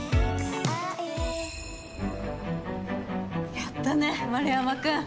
やったね丸山くん。